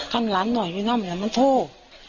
กันหลันหน่อยดีนี่มันนี่ก็โทรศัพท์